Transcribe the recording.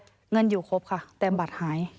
ใช่ครบค่ะแต่บัตรหาย